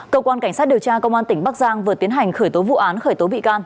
cơ quan cảnh sát điều tra công an tỉnh bắc giang vừa tiến hành khởi tố vụ án khởi tố bị can